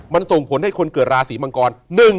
มันส่งผลให้คนเกิดราศีมังกร